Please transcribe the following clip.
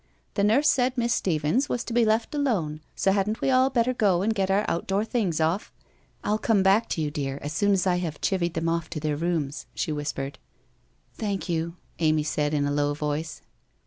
' The nurse said Miss Stephens was to be left alone, so hadn't we all better go and get our outdoor things off. I'll come back to you, dear, as soon as I have chivied them off to their rooms,' she whispered. ' Thank you/ Amy said in a low voice.